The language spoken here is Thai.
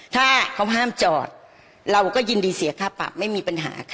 ถ้าเขาห้ามจอดเราก็ยินดีเสียค่าปรับไม่มีปัญหาค่ะ